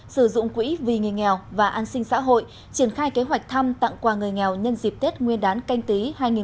sử dụng quỹ vì người nghèo và an sinh xã hội triển khai kế hoạch thăm tặng quà người nghèo nhân dịp tết nguyên đán canh tí hai nghìn hai mươi